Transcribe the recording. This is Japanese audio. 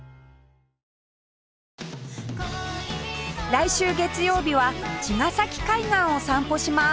来週月曜日は茅ヶ崎海岸を散歩します